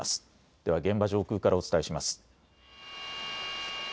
では現場上空からお伝えします。